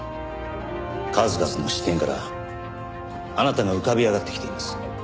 数々の視点からあなたが浮かび上がってきています。